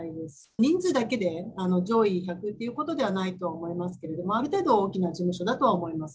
人数だけで上位１００ということではないと思いますけれども、ある程度、大きな事務所だとは思います。